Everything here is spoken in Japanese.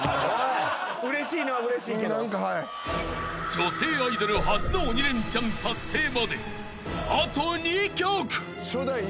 ［女性アイドル初の鬼レンチャン達成まであと２曲］